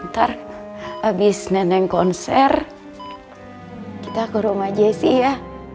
ntar abis nenek konser kita ke rumah jessy ya